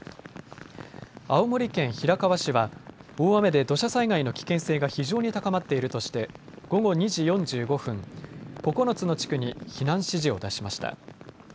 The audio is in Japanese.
青森県平川市は大雨で土砂災害の危険性が非常に高まっているとして午後２時４５分、９つの地区に避難指示を出しました。